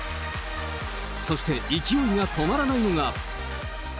そして勢いが止まらないのが。